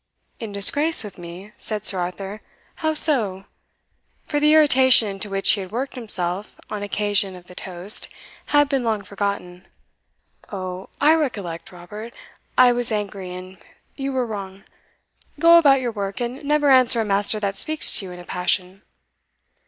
"In disgrace with me?" said Sir Arthur "how so?" for the irritation into which he had worked himself on occasion of the toast had been long forgotten. "O, I recollect Robert, I was angry, and you were wrong; go about your work, and never answer a master that speaks to you in a passion."